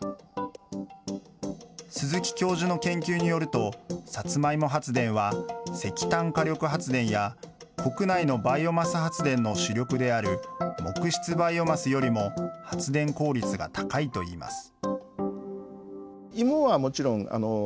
鈴木教授の研究によると、サツマイモ発電は、石炭火力発電や、国内のバイオマス発電の主力である木質バイオマスよりも、発電効率が高いといいます。